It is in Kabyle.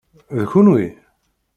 D kunwi?